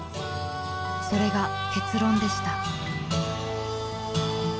［それが結論でした］